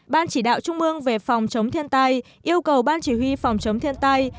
ban chỉ đạo trung ương về phòng chống thiên tai yêu cầu ban chỉ huy phòng chống thiên tai